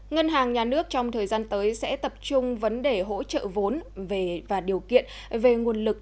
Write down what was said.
ngân hàng nhà nước trong thời gian tới sẽ tập trung vấn đề hỗ trợ vốn và điều kiện về nguồn lực